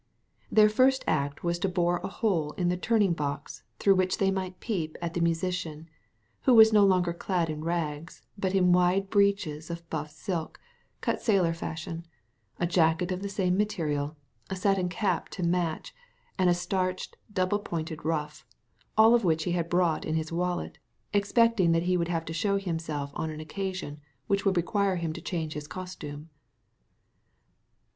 Their first act was to bore a hole in the turning box through which they might peep at the musician, who was no longer clad in rags, but in wide breeches of buff silk, cut sailor fashion, a jacket of the same material, a satin cap to match, and a starched double pointed ruff, all which he had brought in his wallet, expecting that he would have to show himself on an occasion which would require him to change his costume.